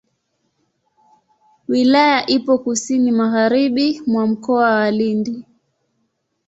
Wilaya ipo kusini magharibi mwa Mkoa wa Lindi.